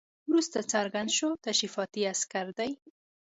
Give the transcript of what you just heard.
وروسته څرګنده شوه تشریفاتي عسکر دي.